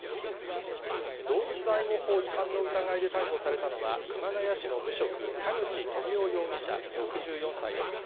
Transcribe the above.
動物愛護法違反の疑いで逮捕されたのは、熊谷市の無職、田口富夫容疑者６４歳です。